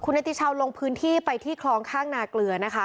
นาติชาวลงพื้นที่ไปที่คลองข้างนาเกลือนะคะ